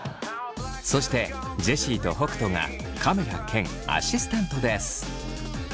そしてジェシーと北斗がカメラ兼アシスタントです。